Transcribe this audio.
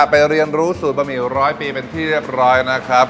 เรียนรู้สูตรบะหมี่ร้อยปีเป็นที่เรียบร้อยนะครับ